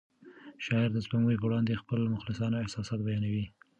شاعر د سپوږمۍ په وړاندې خپل مخلصانه احساسات بیانوي.